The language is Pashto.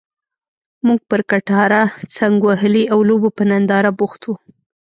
موږ پر کټاره څنګ وهلي او لوبو په ننداره بوخت وو.